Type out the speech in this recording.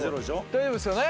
大丈夫ですよね？